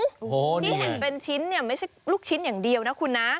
ที่เห็นเป็นชิ้นเนี่ยไม่ใช่ลูกชิ้นอย่างเดียวนะคุณนะ